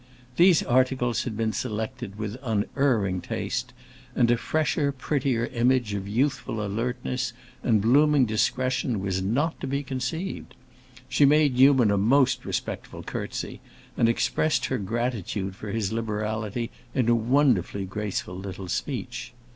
These articles had been selected with unerring taste, and a fresher, prettier image of youthful alertness and blooming discretion was not to be conceived. She made Newman a most respectful curtsey and expressed her gratitude for his liberality in a wonderfully graceful little speech.